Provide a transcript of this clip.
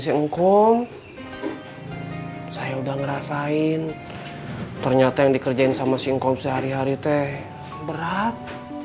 singkong saya udah ngerasain ternyata yang dikerjain sama singkong sehari hari teh berat